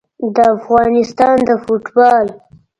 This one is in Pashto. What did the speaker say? د افغانستان د فوټبال